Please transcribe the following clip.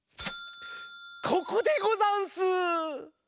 ここでござんす！